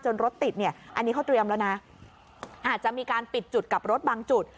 รถติดเนี่ยอันนี้เขาเตรียมแล้วนะอาจจะมีการปิดจุดกลับรถบางจุด